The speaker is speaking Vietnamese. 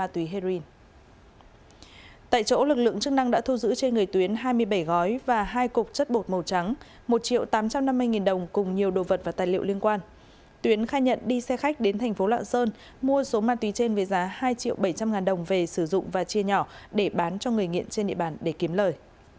tuyến khai nhận đi xe khách đến thành phố lạ sơn mua số ma túy trên với giá hai triệu bảy trăm linh ngàn đồng về sử dụng và chia nhỏ để bán cho người nghiện trên địa bàn để kiếm lời